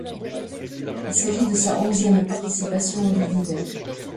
Il s'agit de sa onzième participations aux Jeux d'hiver.